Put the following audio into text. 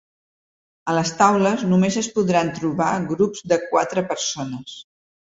A les taules només es podran trobar grups de quatre persones.